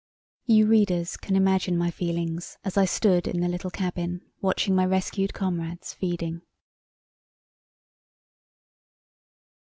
You readers can imagine my feelings as I stood in the little cabin watching my rescued comrades feeding.